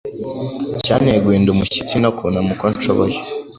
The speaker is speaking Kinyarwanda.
cyanteye guhinda umushyitsi no kunama uko nshoboye